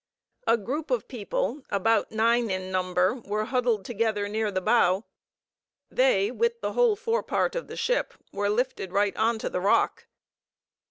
A group of people, about nine in number, were huddled together near the bow; they, with the whole forepart of the ship, were lifted right on to the rock.